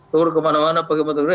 tur kemana mana pakai motor gede